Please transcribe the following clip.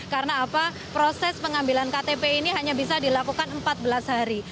karena apa proses pengambilan ktp ini hanya bisa dilakukan empat belas hari